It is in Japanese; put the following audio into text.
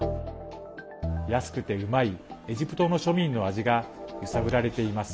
安くてうまい、エジプトの庶民の味が揺さぶられています。